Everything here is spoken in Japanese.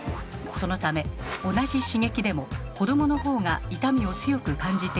そのため同じ刺激でも子どものほうが痛みを強く感じているのです。